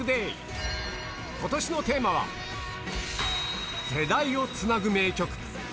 ことしのテーマは、世代をつなぐ名曲。